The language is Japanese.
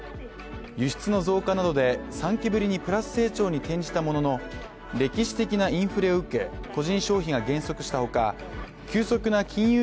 輸出の増加などで３期ぶりにプラス成長に転じたものの歴史的なインフレを受け、個人消費が減速したほか急速な金融